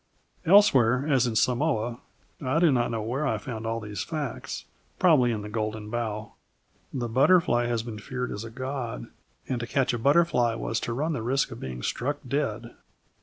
Elsewhere, as in Samoa I do not know where I found all these facts probably in The Golden Bough the butterfly has been feared as a god, and to catch a butterfly was to run the risk of being struck dead.